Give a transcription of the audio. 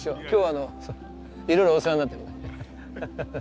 いろいろお世話になってるから。